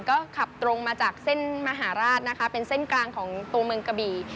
ก็ขับตรงมาจากเส้นมหาราชนะคะเป็นเส้นกลางของตัวเมืองกะบี่